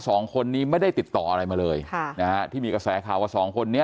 เพราะ๒คนนี้ไม่ได้ติดต่ออะไรมาเลยที่มีกระแสข่าวว่า๒คนนี้